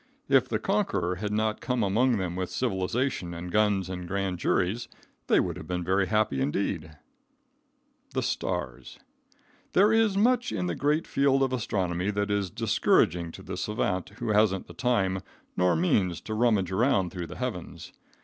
If the conqueror had not come among them with civilization and guns and grand juries they would have been very happy, indeed. [Illustration: A COLD DAY.] THE STARS. There is much in the great field of astronomy that is discouraging to the savant who hasn't the time nor means to rummage around through the heavens.